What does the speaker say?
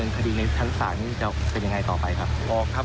นี่จะเป็นยังไงต่อไปครับ